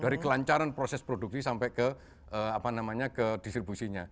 dari kelancaran proses produksi sampai ke distribusinya